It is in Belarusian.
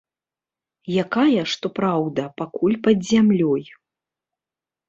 Якая, што праўда, пакуль пад зямлёй.